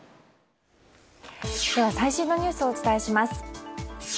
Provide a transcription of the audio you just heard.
では最新のニュースをお伝えします。